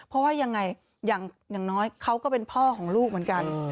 เพราะว่ายังไงอย่างน้อยเขาก็เป็นพ่อของลูกเหมือนกัน